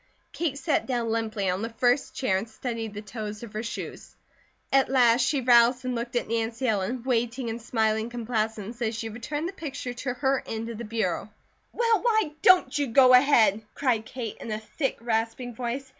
Kate sat down limply on the first chair and studied the toes of her shoes. At last she roused and looked at Nancy Ellen, waiting in smiling complaisance as she returned the picture to her end of the bureau. "Well, why don't you go ahead?" cried Kate in a thick, rasping voice.